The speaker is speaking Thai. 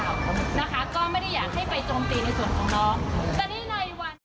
ถามว่าเขาหยุดเขายังมีสิทธิ์เสี่ยงไหม